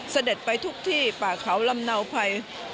เสด็จไปทุกที่ป่าเขาลำเนาภัย